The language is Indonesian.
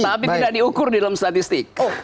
tapi tidak diukur di dalam statistik